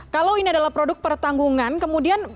kalau ini adalah produk pertanggungan kemudian